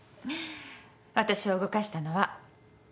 私を動かしたのは。